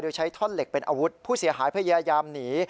โดยใช้ท่อนเหล็กเป็นอาวุธผู้เสียหายพยายามหนี